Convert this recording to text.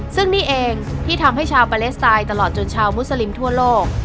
ซึ่งนี่เองที่ทำให้ชาวปาเลสไตน์ตลอดจนชาวมุสลิมทั่วโลก